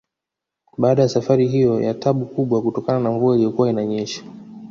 Baada ya safari hiyo ya tabu kubwa kutokana na mvua iliyokuwa inanyesha